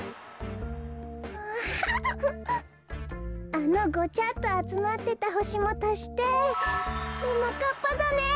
あのごちゃっとあつまってたほしもたしてももかっぱざね！